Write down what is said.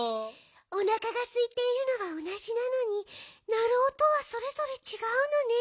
おなかがすいているのはおなじなのになるおとはそれぞれちがうのね。